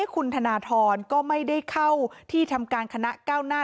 คุณธนทรก็ไม่ได้เข้าที่ทำการคณะก้าวหน้า